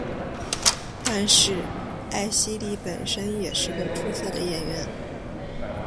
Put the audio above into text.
但是艾希莉本身也是个出色的演员。